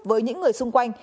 với những người xung quanh